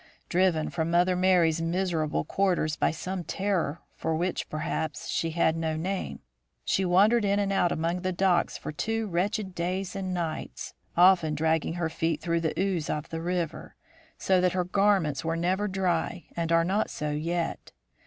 Driven from Mother Merry's miserable quarters by some terror for which, perhaps, she had no name, she wandered in and out among the docks for two wretched days and nights, often dragging her feet through the ooze of the river, so that her garments were never dry and are not so yet.